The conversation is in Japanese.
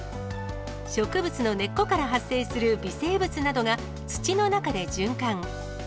植物の根っこから発生する微生物などが土の中で循環。